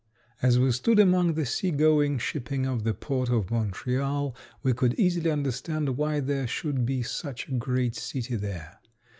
As we stood among the seagoing shipping of the port of Montreal we could easily understand why there should be such a great city there.